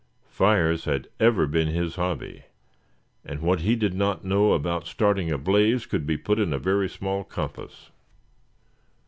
Fires had ever been his hobby, and what he did not know about starting a blaze could be put in a very small compass.